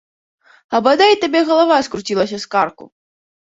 А бадай табе галава скруцілася з карку!